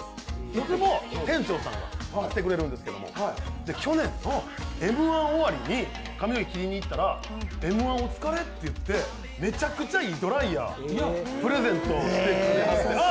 いつも店長さんが切ってくれるんですけども去年、Ｍ−１終わりに髪の毛切りに行ったら、Ｍ−１お疲れって、めちゃくちゃいいドライヤープレゼントしてくれたんです。